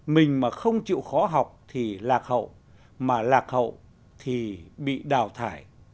mình mà không chịu khó học thì lạc hậu mà lạc hậu thì bị đào thải